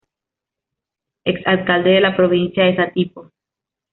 Ex alcalde de la Provincia de Satipo.